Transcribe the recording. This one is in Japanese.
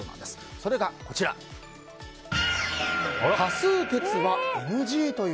それが、多数決はＮＧという。